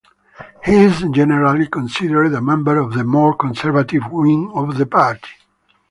He is generally considered a member of the more conservative wing of the party.